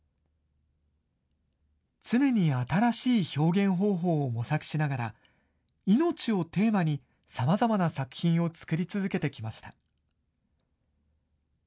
常に新しい表現方法を模索しながら、いのちをテーマにさまざまな作品を作り続けてきました。